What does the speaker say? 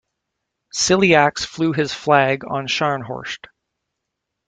Ciliax flew his flag on "Scharnhorst".